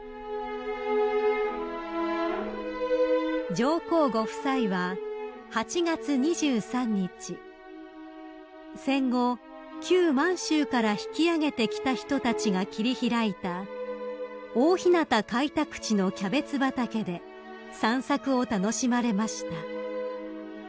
［上皇ご夫妻は８月２３日戦後旧満州から引き揚げてきた人たちが切り開いた大日向開拓地のキャベツ畑で散策を楽しまれました］